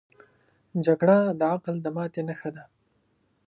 جګړه د عقل د ماتې نښه ده